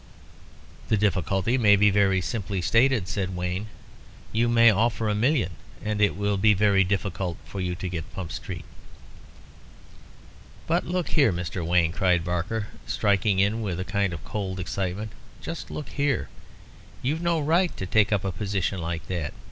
"The difficulty may be very simply stated," said Wayne. "You may offer a million and it will be very difficult for you to get Pump Street." "But look here, Mr. Wayne," cried Barker, striking in with a kind of cold excitement. "Just look here. You've no right to take up a position like that.